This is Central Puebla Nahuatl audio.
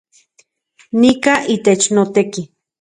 Nika itech noteki